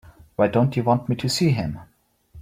Why don't you want me to see him?